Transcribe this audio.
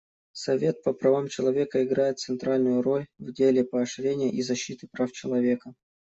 Совет по правам человека играет центральную роль в деле поощрения и защиты прав человека.